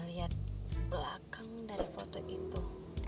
gue liat belakang dari foto itu